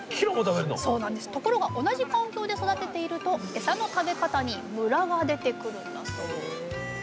ところが同じ環境で育てているとエサの食べ方にムラが出てくるんだそう。